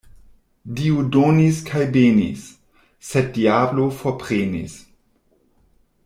Dio donis kaj benis, sed diablo forprenis.